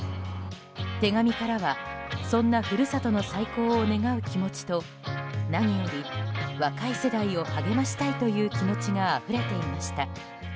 手紙からは、そんな故郷の再興を願う気持ちと何より若い世代を励ましたいという気持ちがあふれていました。